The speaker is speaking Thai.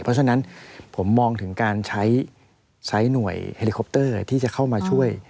เพราะฉะนั้นผมมองถึงการใช้หน่วยเฮลิคอปเตอร์ที่จะเข้ามาช่วย